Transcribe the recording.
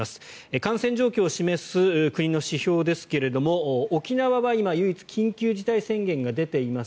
感染状況を示す国の指標ですが沖縄は今、唯一緊急事態宣言が出ています。